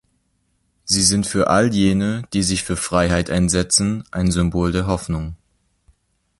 Sie sind für all jene, die sich für Freiheit einsetzen, ein Symbol der Hoffnung.